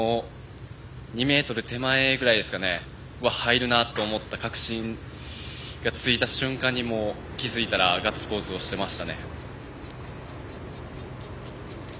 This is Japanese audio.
２ｍ手前ぐらいは入るなと確信がついた瞬間に、気付いたらガッツポーズをしてましたね。